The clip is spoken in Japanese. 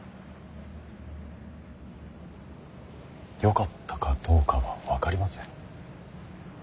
よかったかどうかは分かりません。